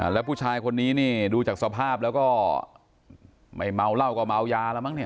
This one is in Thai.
แล้วผู้ชายคนนี้นี่ดูจากสภาพแล้วก็ไม่เมาเหล้าก็เมายาแล้วมั้งเนี่ย